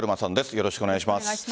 よろしくお願いします。